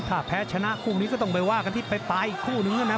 ถ้าแพ้ชนะคู่นี้ก็ต้องไปว่ากันที่ปลายอีกคู่นึงนะ